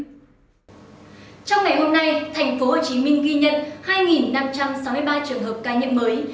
trong ngày hôm nay tp hcm ghi nhận hai năm trăm sáu mươi ba trường hợp ca nhiễm mới